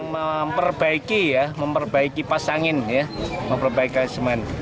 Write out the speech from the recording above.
memperbaiki ya memperbaiki pasangin ya memperbaiki semen